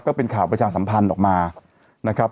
ก็เป็นข่าวประชาสัมพันธ์ออกมานะครับ